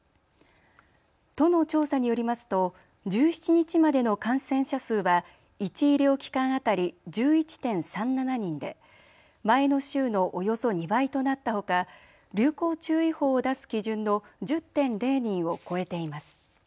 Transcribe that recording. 都の調査によりますと１７日までの感染者数は１医療機関当たり１１．３７人で前の週のおよそ２倍となったほか流行注意報を出す基準の１０．０人を超えています。